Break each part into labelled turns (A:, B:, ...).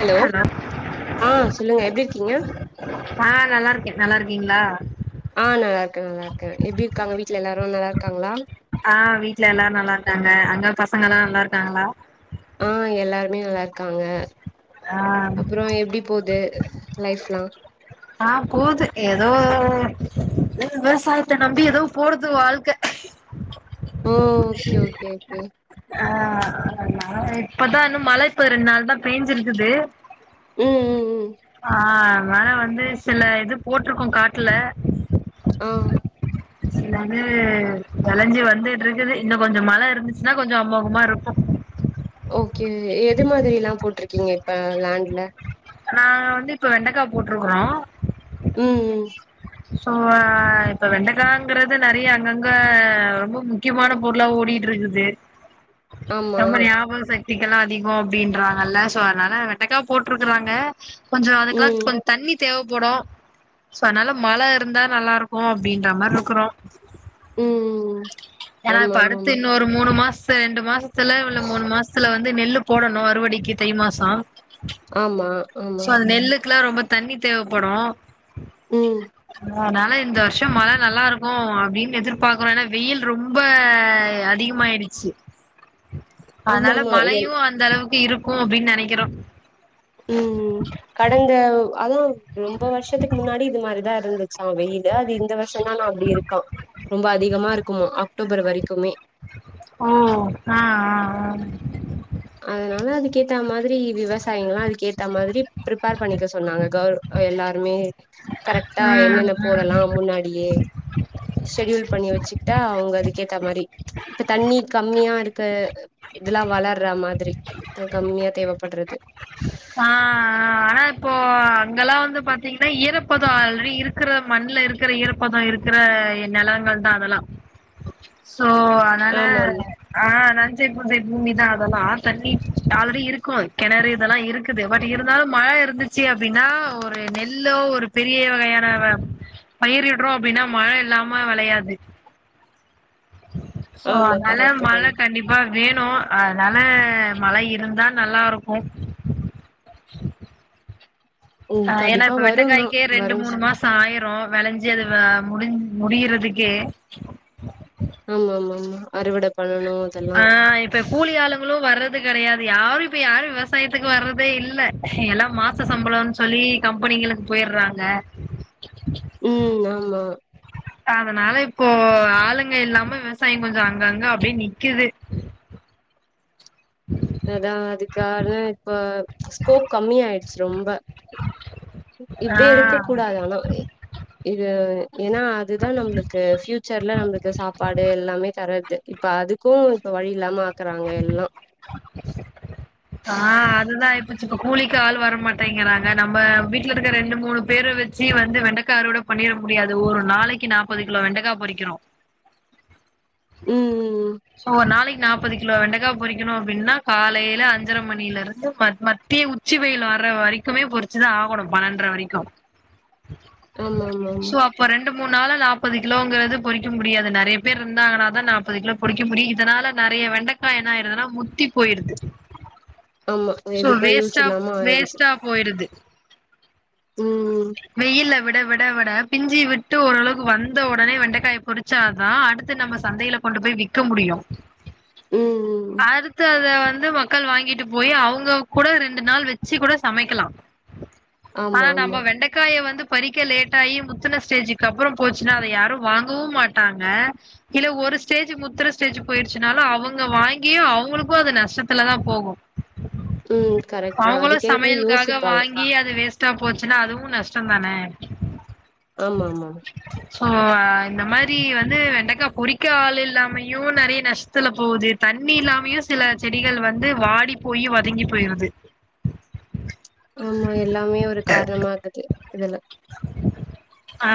A: Hello ஆஹ் சொல்லுங்க எப்படி இருக்கீங்க
B: ஆஹ் நல்லா இருக்கே நல்லா இருக்கீங்களா
A: ஆஹ் நல்லா இருக்க நல்லா இருக்கே எப்படி இருக்காங்க வீட்ல எல்லாரு நல்லா இருக்காங்களா
B: ஆஹ் வீட்ல எல்லாரு நல்லா இருக்காங்க அங்க பசங்க எல்லா நல்லா இருக்காங்களா
A: ஆஹ் எல்லாருமே நல்லா இருக்காங்க
B: ஆ
A: அப்புற எப்படி போது லைஃப்லா
B: ஆஹ் போது ஏதோ விவசாயத்த நம்பி ஏதோ போகுது வாழ்க்க
A: ஓ ஓகே ஓகே ஓகே
B: ஆ [unintelligible] இப்பதான் இன்னும் மழை இப்ப ரெண்டு நாள் தான் பேஞ்சு இருக்குது
A: ம் ம் ம்
B: ஆ மேன வந்து சில இது போட்டிருக்கோம் காட்டுல
A: ஆ
B: இது எல்லாமே விளைஞ்சி வந்துட்டு இருக்குது இன்னும் கொஞ்சம் மழை இருந்துச்சுன்னா கொஞ்சம் அமோகமா இருக்கு
A: ஓ கே எது மாதிரி எல்லாம் போட்டிருக் கீங்க இப்ப லேண்ட்ல
B: நாங்க வந்து இப்ப வெண்டாக போட்டுருக்கறோம்
A: ம் ம்
B: சோ இப்ப வெண்டகாண்கறது நறைய அங்கங்க ரொம்ப முக்கியமான பொருளா ஓடிட்டு இருக்குது
A: ஆமா
B: ரொம்ப ஞாபக சக்த் சிக்கலாம் அதிகம் அப்படின்றாங்கல்ல சோ அதனால வெண்டைக்கா போட்டுறாங்க கொஞ்சம்
A: ம்
B: அதுக்கெல்லாம் கொஞ்ச தண்ணி தேவ கோடம் சோ நல்ல மழை இருந்தா நல்லா இருக்கும் அப்படின்ற மாரி இருக்கறோம்
A: ம்
B: ஏன்னா
A: ஆமா
B: இப்ப
A: ஆமா
B: அடுத்து இன்னும் ஒரு மூணு மாசது அடுத்து ரெண்டு மாசத்துல இல்ல மூணு மாசத்துல வந்து நெல்லு போடணும் அறுவடைக்கு தை மாசம்
A: ஆமா ஆமா
B: க்கெல்லாம் ரொம்ப தண்ணி தேவைப்படும்
A: ம்
B: அதனால இந்த வருஷம் மழை நல்லா இருக்கும் அப்படின்னு எதிர்பார்க்கறோம் ஏன்னா வெயில் ரொம்ப ஆ அதிகமாயிடுச்சு
A: ஆமா
B: அதனால
A: ஆமா எல்
B: மழையும் அந்த அளவுக்கு இருக்கும் அப்படின்னு நினைக்கிறோம்
A: ம் ம் கடந்த அதா ரொம்ப வருஷத்துக்கு முன்னாடி இது மாரிதா இருந் துச் ச்சா வெயிலு அது இந்த வருஷம் தான் நான் அப்படி இருக்கா ரொம்ப அதிகமா இரு கோ அக்டோபர் வரைக்குமே
B: ஆ ஆ ஆ ஆ
A: அதனால அதுக்கேத்த மாதிரி விவசாயங்க எல்லா அதுக்கு ஏத்த மாதிரி ப்ரிப்பேர் பண்ணிக்க சொன்னாங்க க எல்லாருமே கரெக்டா
B: ம்,
A: என்னென்ன
B: ம்.
A: போடலாம் முன்னாடியே ஷெடியூல் பண்ணி வச்சு அவங்க அதுக்க ஏத்த மாதிரி ம்ச் இப்ப தண்ணி கம்மியா இருக்க இதெல்லா வள லற மாதிரி கம்மியா தேவைப்பட்றது
B: ஆ ஆ ஆனா இப்போ அங்கெல்லா வந்து பாத்தீங்கன்னா ஈரப்பதம் ஆல்ரெடி இருக்கிற மண்ணுல இருக்கிற ஈரப்பதம் இருக்கிற நிலங்கள் தான் அதெல்லாம் [inaudible] சோ அதனால
A: ஆமா ஆமா
B: ஆ அத செம வி பூமிதா ஆனா ஆ தண்ணி ஆல்ரெடி இருக்கு கெணறு இதெல்லாம் இருக்குது பட் இருந்தாலும் மழை இருந்துச்சு அப்டின்னா ஒரு நெல்லோ ஒரு பெரிய வகையான பயிரடுறோம் அப்டின்னா மழை இல்லாம வெளையாது சோ
A: ஆமா
B: அதனால
A: கரெக்ட்டுதா
B: மழ கண்டிப்பா வேணு அதனால மழை இருந்தா நல்லா இருக்கு ஆ
A: ம்
B: ஏனா
A: கண்டிப்பா
B: இப்ப
A: வருந்தா
B: வெண்டக்காய்க்கே ரெண்டு
A: வருந்
B: மூணு மாச ஆயிரு வெளைஞ்சி அது ஆ முடி முடியறதுக்கே
A: ஆமா ஆமா ஆமா அறுவட பண்ணணு அதெல்லா
B: ஆ இப்ப கூலி ஆளுங்களு வர்ற து கெடையாது யாரு இப்ப யாரு விவசாயத்துக்கு வர்றதே இல்ல எல்லா மாச சம்பளன்னு சொல்லி கம்பெனிகளுக்கு போயர்றாங்க
A: ம் ஆ மா
B: அதனால இப்போ ஆளுங்க இல்லாம விவசாய கொஞ்ச அங்கங்க அப்டியே நிக்குது
A: அதா அதுக்காக இப்ப ஸ்கோப் கம்மியாயிடுச்சு ரொம்ப
B: ஆ
A: இப்டியே இருக்க கூடாது ஆனா இது ஏனா அதுதா நம்புளுக்கு ஃபியூச்சர்ல நம்ப்ளுக்கு சாப்பாடு எல்லாமே தர து இப்ப அதுக்கு இப்ப வழி இல்லாம ஆக்குறாங்க எல்லா
B: ஆ அதுதா ஆயிபோச்சு கூலிக்கு ஆள் வர மாட்டேங்கிறாங்க நம்ம வீட்ல இருக்கிற ரெண்டு மூணு பேர வெச்சு வந்து வெண்டைக்கா அறுவட பண்ணிட முடியாது ஒரு நாளைக்கு நாப்பது கிலோ வெண்டக்கா பொறிக்கிறோ
A: ம் ம்
B: சோ ஒர் நாளைக் நாப்பது கிலோ வெண்டக்கா பொறிக்கணு அப்டின்னா காலையில அஞ் சர மணில இருந்து ம மத்திய உச்சி வெயில் வர்ற வரைக்குமே பொறிச்சுதா ஆகணு பன்னென்ட்ர வரைக்கு
A: ஆமாமாமா
B: ண்டு மூணு நால நாப்பது கிலோங்கறது பொறிக்க முடியாது நெறைய பேர் இருந்தாங்கனாதா நாப்பது கிலோ பொறிக்க முடியு இதனால நெறையா வெண்டக்கா என்னாயிருதுனா முத்தி போயிடுது
A: ஆமா
B: சோ
A: எதுக்கு யூஸ்
B: வேஸ்டா
A: இல்லாம ஆயிடுது
B: வேஸ்ட்டா போயிருது
A: ம்
B: வெயில்ல வெ ட வெட வெட பிஞ்சி விட்டு ஓரளவுக்கு வந்த உடனே வெண்டக்காய பொறிச்சாதா அடுத்து நம்ம சந்தையில கொண்டு போய் விக்க முடியு
A: ம் ம்
B: அறுத்து அத வ ந்து மக்கள் வாங்கிட்டு போயி அவுங்க கூட ரெண்டு நாள் வெச்சு கூட சமைக்கலா
A: ஆமா
B: ஆனா நம்ம
A: ஆமா
B: வெண்டக்காய வந்து பறிக்க லேட் ஆயி முத்துன ஸ்டேஜுக்கு அப்றம் போச்சுன்னா அத யாரும் வாங்கவும் மாட்டாங்க இல்ல ஒரு ஸ்டேஜு முத்துர ஸ்டேஜ் போயிருச்சுனாலும் அவங்க வாங்கியும் அவங்களுக்கும் அது நஷ்டத்துலதான் போகும்
A: ம் கரெக்ட் தா
B: அவங்களும்
A: அதுக்கேக்க
B: சமையல்க்காக
A: யோசிப்பாங்க
B: வாங்கி அது வேஸ் ட்டா போச்சுன்னா அதுவும் நஷ்டோந் தானே
A: ஆமாம்மா
B: சோ அ இந்த மாரி வந்து வெண்டைக்கா பொறிக்க ஆள் இல்லாமையும் நறைய நஷ்த்துல போவுது தண்ணி இல்லாமையும் சில செடிகள் வந்து வாடி போய் வதங்கி போயிருது
A: ஆமா எல்லாமே ஒருக் கார்ணம்மாகுது இதெல்லா
B: ஆ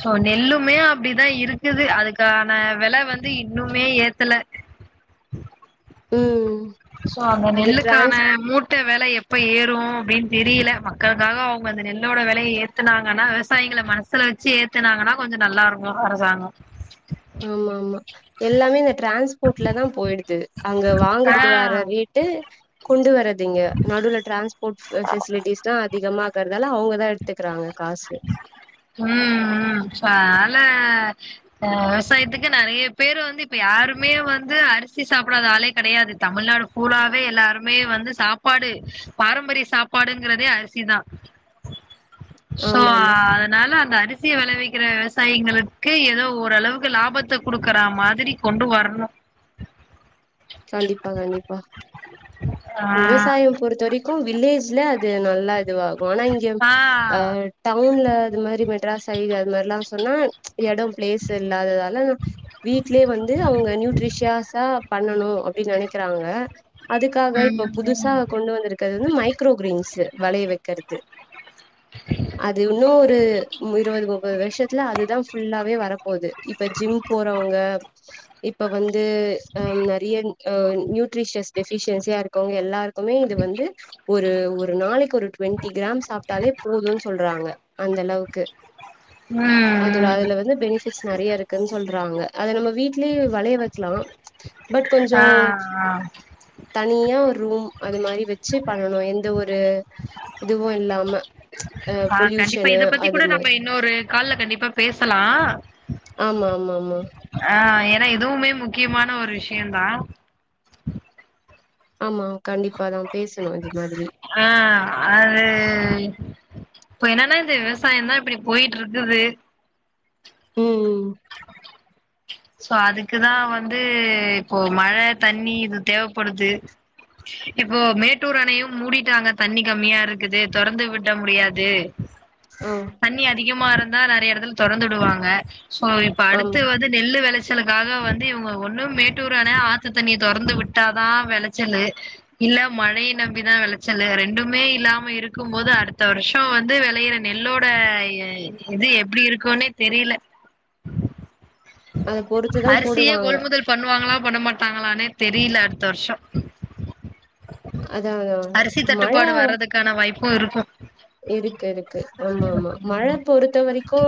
B: சோ நெல்லுமே அப்டிதா இருக்குது அதுக்கான வெல வந்து இன்னுமே ஏத்தல
A: ம்
B: சோ அந்த
A: அது
B: நெல்லுக்கான
A: டிரான்ஸ்
B: மூட்ட வெ ல எப்ப ஏறு அப்டின் தெரிய்ல மக்களுக்காக அவ்ங்க அந்த நெல்லோட வெலைய ஏத்துனாங்கன்னா விவசாயிகள மனசுல வெச்சி ஏத்துனாங்கனா கொஞ்சொ நல்லா இருக்கு அரசாங்கொ
A: ஆமா ஆமா எல்லாமே ந ட்ரான்ஸ்போட்லதா போயிடுது அங்க
B: ஆ
A: வாங்குறது வேற ரேட்டு கொண்டு வர துங்க நடுவுல ட்ரான்ஸ்போட் ஃபெசிலிட்டிஸ்தா அதிகமா தா இருந்தாலு அவுங்க தா எடுத்துக்குறாங்க
B: ம் ம் ச ல ஆ விவசாயத்துக்கு நறைய பேரு வந்து இப்ப யாருமே வந்து அரிசி சாப்புடாத ஆளே கடையாது தமிழ்நாடு பூலாவே எல்லாருமே வந்து சாப்பாடு பாரம்பரிய சாப்பாடுங்குறதே அரிசிதா சோ
A: ஆமா ஆமா
B: அதுனால அந்த அ அரிசிய வெளவிக்கிற விவசாயிங்களுக்கு ஏதோ ஓரளவுக்கு லாபத்த குடுக்குறா மாதிரி கொண்டு வரணு
A: கண்டிப்பா கண்டிப்பா
B: ஆ
A: விவசாயம் பொறுத்த வரைக்கோ வில்லேஜ்ல து நல்லா இதுவாகு ஆனா இங்க
B: ஆ
A: அ டவுன்ல அது மாரி மெட்ராஸ் சைடு அது மாரில்லா ன்னா எடொ ப்ளேஸு இல்லாததால வீட்லயே வந்து அவங்க நியூட்ரிஷியாசா பண் பண்ணனு அப்டி நெனக்கிறாங்க அதுக்காக
B: ம்
A: இப்போ புதுசா
B: ம்
A: கொண்டு வந்துருக்குறது வந்து மைக்ரோ கிரேன்ஸு வளைய வெக்கெற்து அது இன்னோ ஒரு ம் இருவது முப்பது வர்ஷத்துல அதுதா ஃபுல்லாவே வரப்போது இப்ப ஜிம் போறவங்க இப்ப வந்து ஆ நறிய ஆ நியூட்ரிஷியஸ் டெஃபிஷியன்சியா இருக்கவ்ங்க எல்லா ர்க்குமே இது வந்து ஒரு ஒரு நாளைக்கு ஒரு டுவெண்ட்டி கிராம்ஸ் சாப்ட்டாலே போதூன் சொல்றாங்க அந்தளவுக்கு
B: ம்
A: அதோட
B: ம்
A: அதுல வந்து பெனிஃபிட்ஸ் நறைய இருக்குன் சொல் றாங்க அத நம்ம வீட்லயே வளைய வெக்லா
B: ஆ ஆ
A: தனியா ஒரு ரூம் அது மாரி வச்சு பண்ணனு எந்த ஒரு இதுவு இல்லாம அ
B: ஆ கண்டிப்பா
A: பொல்யூஷனு
B: இத பத்தி
A: அது
B: கூட
A: மாரி
B: நம்ம இன்னொரு கால்ல கண்டிப்பா பேசலா
A: ஆமா ஆமா ஆமா
B: யந்தா
A: ஆமா கண்டிப்பா தா பேசணு இது மாதிரி
B: ஆ அது இப்ப என்னனா இந்த விவசாய தா இப்டி போய்ட்டு இருக்குது
A: ம் ம்
B: சோ அதுக்குதா வந்து இப்போ மழ தண்ணி இது தேவப்படுது இப்போ மேட்டூர் அணையு மூடிட்டாங்க தண்ணி கம்மியா இருக்குது தொறந்து விட முடியாது
A: ஆ
B: தண்ணி அதிகமா இரு ந்தா நறைய எடத்துல தொறந்துடுவாங்க சோ அடுத்து
A: ஆமா
B: வந்து நெல்லு வெளச் ச்சலுக்காக வந்து இவங்க ஒண்ணு மேட்டூர் அண ஆத்து தண்ணிய தொறந்து விட்டாதா வெலச்சலு இல்ல மழைய நம்பிதா வெலச்சலு ரெண்டுமே இல்லாம இருக்கும்போது அடுத்த வருஷ வந்து வெளையற நெல்லோட இது எப்டி இருக்கோனே தெரில
A: அத பொறுத்துதா
B: அரிசியே
A: போடுவாங்க
B: கொள்முதல் பண்ணுவாங்களா பண்ண மாட்டாங்களானே தெரில அடுத்த வருஷ
A: அதா அதா
B: அரிசி
A: மழ
B: தட்டுபாடு வரதுக்கான வாய்ப் [unintelligible]
A: இருக்கு இருக்கு ஆமா ஆமா மழ பொறுத்த வரைக்கோ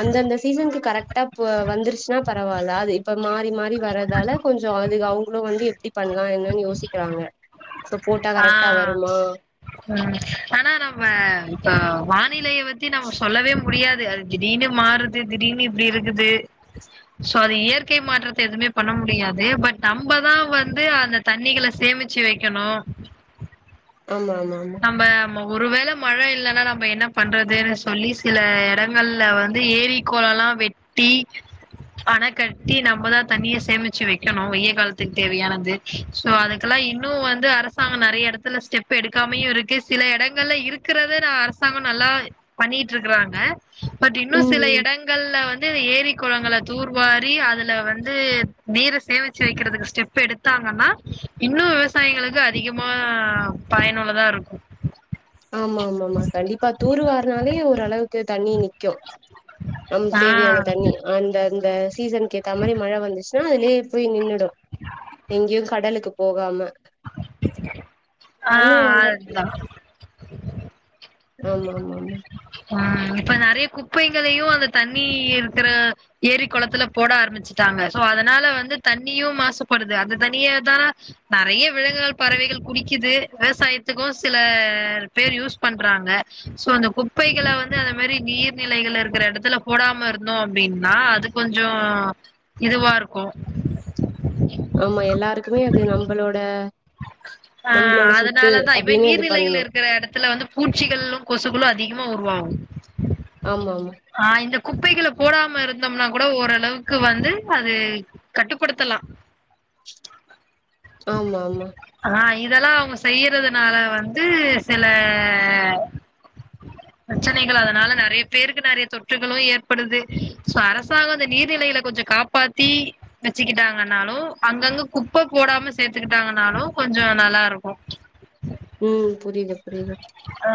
A: அந்தந்த சீசனுக் கரெக்ட் டா போ வந்துருச்சுன்னா பரவால்ல அது இப்ப மாறி மாறி வரதால கொஞ்ச அது அவங் உள வந்து எப்டி பண்ணலா என்னன் யோசிக்றாங்க
B: ஆ ம் ஆனா நம் ம்ம ஆ வா நிலைய வச்சு நம்ம சொல்லவே முடியாது இது திடீனு மாறுது திடீனு இப்டி இருக்குது சோ அது இயற்கை மாற்றத்த எதுமே பண்ண முடியாது பட் நம்மதா வந்து அத தண்ணிகள சேமிச்சு வைக் வைக்கணு
A: ஆமா ஆமா
B: ம் ஒருவேள மழ இல்லன்னா நம்ம என்ன பண்றதுன் சொல்லி சில எடங்கள்ல வந்து ஏரி கொளலா வெட்டி அண கட்டி நம்மதா தண்ணிய சேமிச்சு வெக்கணு வெய்காலத்துக்கு தேவையானது சோ அதுக்கெல்லா இன்னு வந்து அரசாங்க நெறயா எடத்துல ஸ்டெப் எடுக் கம்மியு இருக்கு சில எடங்கள்ல இருக்கிறத நா அரசாங்க நல்லா பண்ணிட்டுருக்கறாங்க பட் இன்னு சில
A: ம்
B: எடங்கள்ல வந் வந்து ஏரி கொளங்கள தூர்வாரி அதுல வந்து நீர சேமிச்சு வைக்கிறதுக்கு ஸ்டெப் எடுத்தாங்கன்னா இன்னு விவசாயிங்களுக்கு அதிகமா பயனுள்ளதாருக்கு
A: ஆமா ஆமா ஆமா கண்டிப்பா தூர்வார்னாலே ஓரளவுக்கு தண்ணி நிக்கு நம்
B: ஆ
A: தேவையான தண்ணி அந்த இந்த சீசன் க்கேத்தா மாரி மழ வந்துச் னா அதுலயே போய் நின்னு டு எங்யு கடலுக்கு போகாம
B: ஆ
A: பண்ணுவாங்க
B: அதா
A: ஆமா ஆமா ஆமா
B: ஆ இப்ப நெறையா குப்பைகளையு அந்த தண்ணி இருக்கற ஏரி கொளத்துல போட ஆரம்பிச்சட்டாங்க சோ அதனால வந்து தண்ணியு மாசுபடுது அந்த தண்ணியதா நெறயா விலங்குகள் பறவைகள் குடிக்குது விவசாயத்துக்கு சில பேர் யூஸ் பண்றாங்க சோ அந்த குப் பைகள வந்து அந்த மாரி நீர்நிலைகள இருக்கிற எடத்துல போடாம இருந்தோ அப்டின்னா அது கொஞ்சோ இதுவாருக்கு
A: ஆமா எல்லாருக்குமே அது நம்பளோட
B: ஆ
A: நம்பளோட சொத்து
B: அதனாலதா இப்ப
A: அப்டின்னு இது
B: நீர்நிலைகள்
A: பண்ணு
B: இருக்கிற எடத்துல வந்து பூச்சிகளு கொசுக்களு அதிகமா உருவாகு
A: ஆமாமா
B: ஆ இந்த குப்பைகள போடாம இருந்தம்னா கூட ஓரளவுக்கு வந்து அது கட்டுப்படுத்தலா
A: ஆமாமா
B: ஆ இதெல்லா அவங்க செய்யறதுனால வந்து செல பிரச்சனைகள் அதனால நெறயா பேருக்கு நெறயா தொற்றுகளு ஏற்படுது சோ அரசாங்கோ இந்த நீர்நிலைகள கொஞ்சோ காப்பாத்தி வெச்சுக்கிட்டாங்கன்னாலு அங்கங்க குப்ப போடாம சேத்துக்கிட்டாங்கனாலு கொஞ்சோ நல்லாருக்கு
A: ம் புரியுது புரியுது
B: ஆ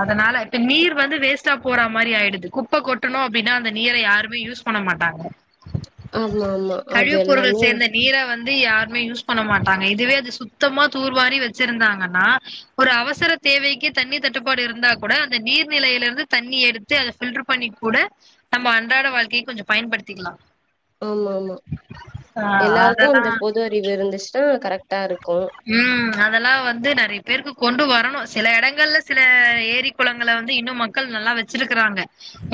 B: அதனால இப்ப நீர் வந்து வேஸ்ட்டா போறா மாரி ஆயிடுது குப்ப கொட்டுனோ அப்டின்னா அந்த நீர யாருமே யூஸ் பண்ண மாட்டாங்க
A: ஆமா ஆமா அது எல்லாமே
B: து யார்மே யூஸ் பண்ண மாட்டாங்க இதுவே அது சுத்தமா தூர்வாரி வெச்சிருந்தாங்கன்னா ஒரு அவசர தேவைக்கு தண்ணி தட்டுப்பாடு இருந்தா கூட அந்த நீர்நிலையில இருந்து தண்ணி எடுத்து அத ஃபில்ட்ரு பண்ணி கூட நம்மோ அன்றாட வாழ்க்கைக் கொஞ்ச பயன்படுத்திக்குலா
A: ஆமா ஆமா
B: ஆ
A: எல்லாருக்கு
B: அதெலா
A: அந்த பொது அறிவு இருந்துச்சுன்னா கரெக்டா இருக்கு
B: ம் அதெல்லா வந்து நெறைய பேர்க்கு கொண்டு வரணு செல எடங்கள்ல சில ஏரி குளங்கள வந்து இன்னு மக்கள் நல்லா வெச்சிருக்குறாங்க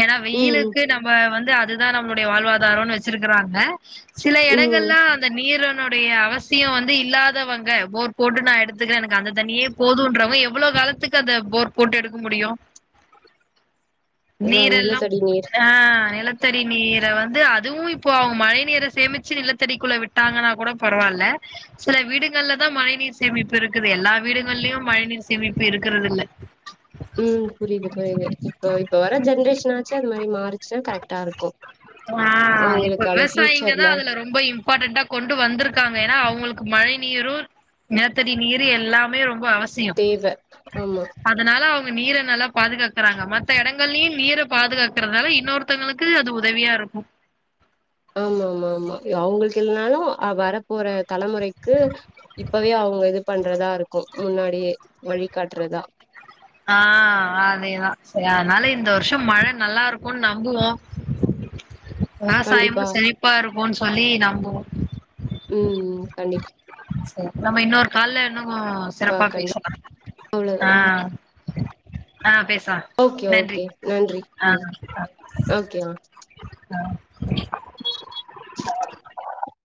B: ஏனா
A: ம்
B: வெயிலுக்கு நம்ம வந் து அதுதா நம்முடைய வாழ்வாதாரோனு வெச்சிருக்குறாங்க சில
A: ம்
B: எடங்கள்லா அந்த நீரு னுடைய அவசியோ வந்து இல்லாதவங்க போர் போட்டு நா எடுத்துக்கிறே எனக்கு அந்த தண்ணியே போதுன்றவ எவ் ளோ காலத்துக்கு அத போர் போட்டு எடுக்க முடியு
A: அதா
B: நீரெல்லாம்
A: நிலத்தடி நீர்
B: ஆ நெல த்தடி நீர வந்து அதுவு இப்போ அவுங் மழை நீர சேமிச்சு நிலத்தடிக்குள்ள விட்டாங்கனா கூட பரவால்ல சில வீடுகள்லதா மழை நீர் சேமிப்பு இருக்குது எல்லா வீடுகள்லியு மழைநீர் சேமிப்பு இருக்குறதில்ல
A: ம் புரிது புரிது இப்ப இப்போ வர ஜென்ரேஷனாச்சு அது மாரி மாறுச்சுனா கரெக்டாருக்கு
B: ஆ இப்ப விவசாயிங்க தா அதுல ரொம்ப இம்பார்ட்டன்ட்டா கொண்டு வந்திருக்காங்க ஏனா அவுங்களுக் மழை நீரூ நிலத்தடி நீரு எல்லாமே ரொம்ப அவஸ் சியோ
A: தேவ ஆமா
B: அதனால அவுங்க நீர நல்லா பாதுகாக் குறாங்க மத்த எடங்கள்லியும் நீர பாதுகாக்குறதுனாலயும் இன்னொருத்தங்களுக்கு அது ஒ உதவியா இருக்கு
A: ஆமாம்மாம்மா அவுங்களுக்கெல்லாம் னாலு அவ்வரப்போற தலமுறைக்கு இப்பவே அவுங்க இது பண்றதா இருக்கும் முன்னாடியே வழிகாட்டுறதா
B: ஆ அதேதா செயா அதுனால இந்த வருஷம் மழ நல்லா இருக்குன் நம்புவோ விவசாயம்
A: கண்டிப்பா
B: வந்து செழிப்பாரு போன் சொல்லி நம்புவோ
A: ம் ம் கண்டிப்
B: சரி நம்ம இன்னொரு கால்ல இன்னு ஆ சிறப்பா
A: கண்டிப்பா
B: பேசுவோ
A: அவ்ளோ
B: ஆ ஆ பேசு அ
A: ஓகே
B: நன்றி
A: ஓகே நன்றி
B: ஆ
A: ம்
B: அ
A: ஓகே ஆ
B: அ